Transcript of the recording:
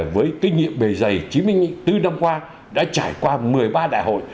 với kinh nghiệm bề dày chín mươi bốn năm qua đã trải qua một mươi ba đại hội